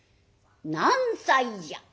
「何歳じゃ？」。